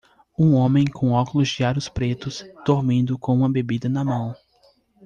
um homem com óculos de aros pretos, dormindo com uma bebida na mão